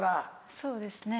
そうですね。